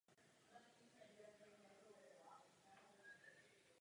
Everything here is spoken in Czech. Tato hranice nesmí překročit dvojnásobek životního minima této rodiny.